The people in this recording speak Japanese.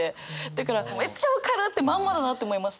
だからめっちゃ分かるってまんまだなって思いました。